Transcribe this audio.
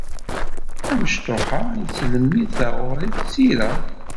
Amecṭuḥ-a yettlemmid taɣuri d tira.